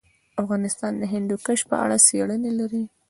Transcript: افغانستان د هندوکش په اړه څېړنې لري.